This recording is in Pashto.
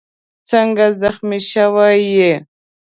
څنګه زخمي شوی یې؟